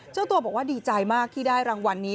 เจ้าตัวบอกว่าดีใจมากที่ได้รางวัลนี้